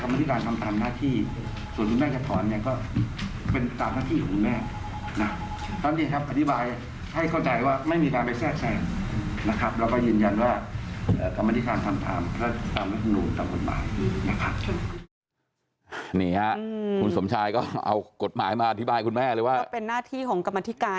ไม่มีการไปแทรกแทรกนะครับแล้วก็ยืนยันว่า